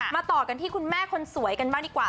ต่อกันที่คุณแม่คนสวยกันบ้างดีกว่า